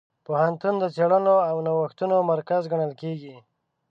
پوهنتون د څېړنو او نوښتونو مرکز ګڼل کېږي.